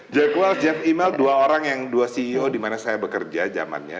jack wells jeff imel dua ceo di mana saya bekerja zamannya